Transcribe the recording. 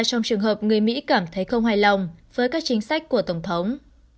tù hợp người mỹ cảm thấy không hài lòng với các chính sách của tổng thống